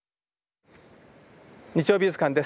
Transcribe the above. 「日曜美術館」です。